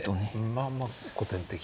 まあまあ古典的な。